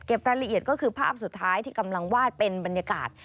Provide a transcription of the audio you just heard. รายละเอียดก็คือภาพสุดท้ายที่กำลังวาดเป็นบรรยากาศ